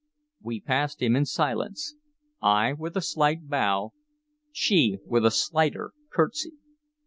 We passed him in silence, I with a slight bow, she with a slighter curtsy.